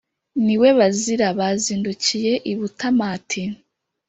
ni we bazira, bazindukiye i butamati